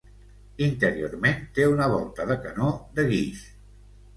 Interiorment té una volta de canó de guix.